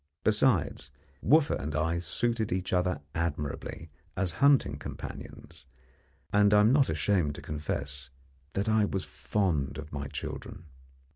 Besides, Wooffa and I suited each other admirably as hunting companions, and I am not ashamed to confess that I was fond of my children.